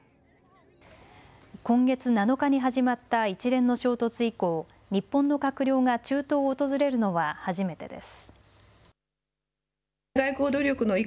今月７日に始まった一連の衝突以降、日本の閣僚が中東を訪れるのは初めてです。